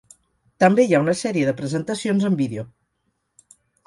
També hi ha una sèrie de presentacions en vídeo.